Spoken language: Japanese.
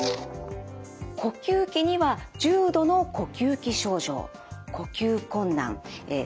呼吸器には重度の呼吸器症状呼吸困難ぜんめい。